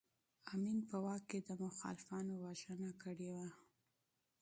امین په واک کې د مخالفانو وژنه کړې وه.